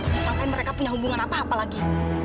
tapi sampai mereka punya hubungan apa apa lagi